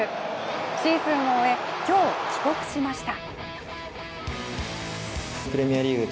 シーズンを終え、今日、帰国しました。